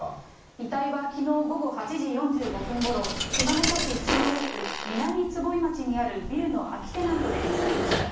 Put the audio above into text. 遺体はきのう午後８時４５分ごろ、熊本市中央区南坪井町にあるビルの空きテナントで見つかりました。